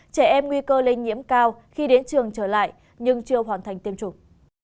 trẻ em nguy cơ lây nhiễm cao khi đến trường trở lại nhưng chưa hoàn thành tiêm chủng